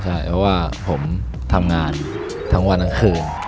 ใช่เพราะว่าผมทำงานทั้งวันทั้งคืน